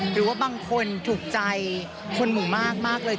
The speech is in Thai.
หรือว่าบางคนถูกใจคนหมู่มากเลย